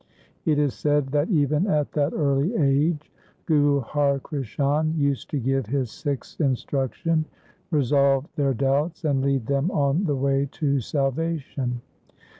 It is said that even at that early age Guru Har Krishan used to give his Sikhs instruction, resolve their doubts, and lead them on the way to salvation.